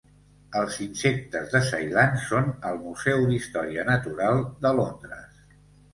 Els insectes de Ceilan són al Museu d'Història Natural de Londres.